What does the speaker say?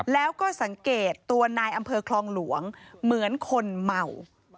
แล้วก็สังเกตตัวนายอำเภอคลองหลวงเหมือนคนเมา